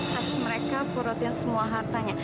hasil mereka kurutin semua hartanya